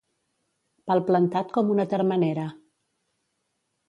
Palplantat com una termenera.